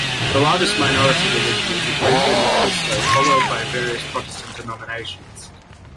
The largest minority religion is Iglesia Ni Cristo followed by various Protestant denominations.